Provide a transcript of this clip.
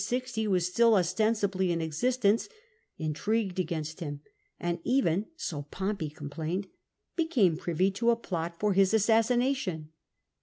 60 was still ostensibly in existence, intrigued against him, and even (so Pompey complained) became privy to a plot for his assassination.